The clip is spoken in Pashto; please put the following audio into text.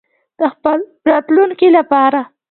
د خپل راتلونکي لپاره.